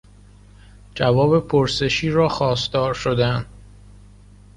جواب پرسشی را خواستار شدن